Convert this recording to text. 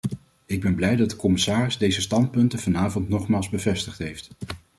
Ik ben blij dat de commissaris deze standpunten vanavond nogmaals bevestigd heeft.